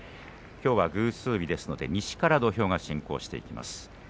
きょうは偶数日ですので西から土俵が進行していきます。